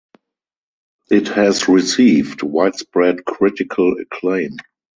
It has received widespread critical acclaim.